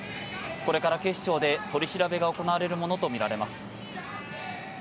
これから警視庁で取り調べが行われるものとみられます。